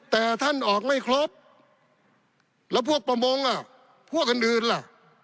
แต่ท่านออกไม่ครบแล้วพวกประมงอ่ะพวกอื่นล่ะ